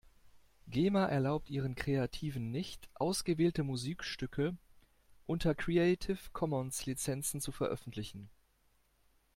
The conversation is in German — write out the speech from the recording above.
Gema erlaubt ihren Kreativen nicht, ausgewählte Musikstücke unter Creative Commons Lizenzen zu veröffentlichen.